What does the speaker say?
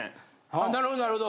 あなるほどなるほど。